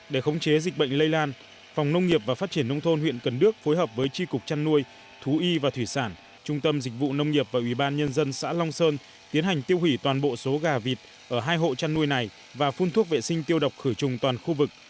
để khống chế dịch bệnh lây lan phòng nông nghiệp và phát triển nông thôn huyện cần đước phối hợp với tri cục trăn nuôi thú y và thủy sản trung tâm dịch vụ nông nghiệp và ủy ban nhân dân xã long sơn tiến hành tiêu hủy toàn bộ số gà vịt ở hai hộ chăn nuôi này và phun thuốc vệ sinh tiêu độc khử trùng toàn khu vực